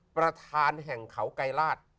ประธานแห่งเขาไกรราช